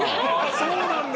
そうなんだ。